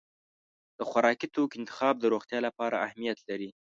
د خوراکي توکو انتخاب د روغتیا لپاره اهمیت لري.